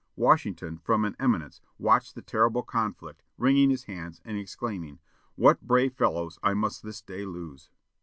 Washington, from an eminence, watched the terrible conflict, wringing his hands, and exclaiming, "What brave fellows I must this day lose!"